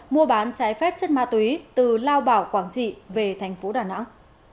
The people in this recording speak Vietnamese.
mua bán trái phép chất ma túy từ lao bảo quảng trị về tp đà nẵng